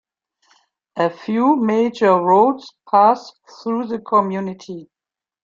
A few major roads pass through the community.